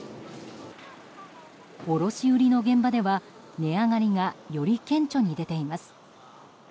卸売りの現場では値上がりがより顕著に出ています。